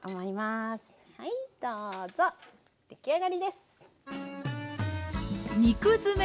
はいどうぞ出来上がりです。